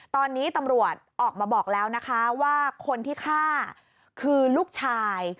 ตอนนี้ตำรวจออกมาบอกแล้วนะคะว่าคนที่ฆ่าคือลูกชาย